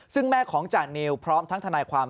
ซึ่งแม่ของจานิวพร้อมทั้งทนายความ